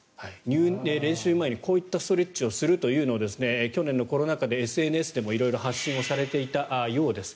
練習前にこういったストレッチをするというのを去年のコロナ禍でＳＮＳでも色々発信されていたようです。